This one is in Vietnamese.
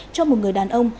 cho một người đàn ông